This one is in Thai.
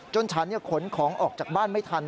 ฉันขนของออกจากบ้านไม่ทัน